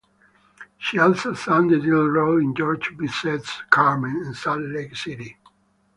She also sang the title role in Georges Bizet's "Carmen" in Salt Lake City.